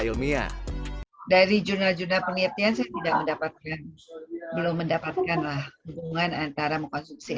ilmiah dari jurnal jurnal penelitian saya tidak mendapatkan belum mendapatkanlah antara konsumsi